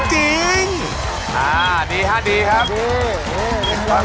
อ่าดีครับดีครับ